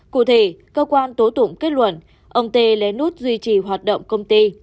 cụ thể cơ quan tố tụng kết luận ông t lé nút duy trì hoạt động công ty